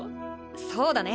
そうだね。